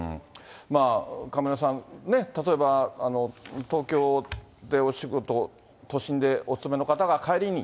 上村さんね、例えば、東京でお仕事、都心でお勤めの方が帰りに、